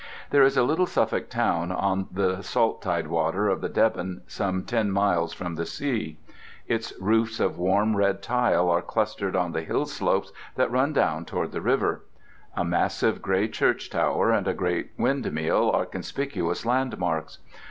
There is a little Suffolk town on the salt tidewater of the Deben, some ten miles from the sea. Its roofs of warm red tile are clustered on the hill slopes that run down toward the river; a massive, gray church tower and a great windmill are conspicuous landmarks.